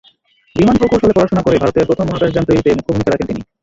বিমান প্রকৌশলে পড়াশোনা করে ভারতের প্রথম মহাকাশযান তৈরিতে মুখ্য ভূমিকা রাখেন তিনি।